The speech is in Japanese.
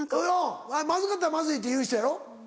まずかったら「まずい」って言う人やろ？